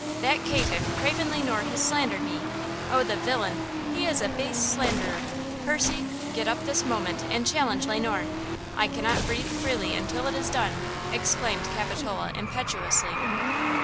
"That caitiff, Craven Le Noir, has slandered me! Oh, the villain! He is a base slanderer! Percy, get up this moment and challenge Le Noir! I cannot breathe freely until it is done!" exclaimed Capitola, impetuously.